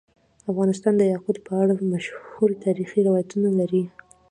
افغانستان د یاقوت په اړه مشهور تاریخی روایتونه لري.